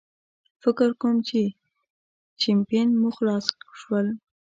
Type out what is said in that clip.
فکر کوم چې شیمپین مو خلاص شول.